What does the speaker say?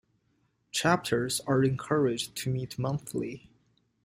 Chapters are encouraged to meet monthly.